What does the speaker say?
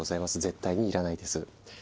絶対に要らないです。え？